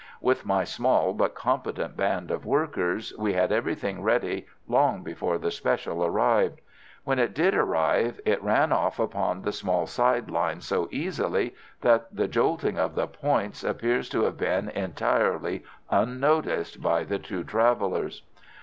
With my small but competent band of workers, we had everything ready long before the special arrived. When it did arrive, it ran off upon the small side line so easily that the jolting of the points appears to have been entirely unnoticed by the two travellers.